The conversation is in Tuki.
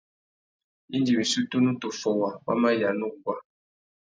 Indi wissú tunu tu fôwa, wa mà yāna uguá.